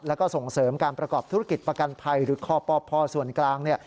แล้วก็ส่งเสริมการประกอบธุรกิจประกันภัยหรือคปพส่วนกลาง